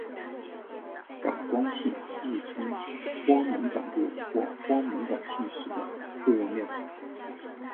感光性亦称光敏感度或光敏性时的作用量。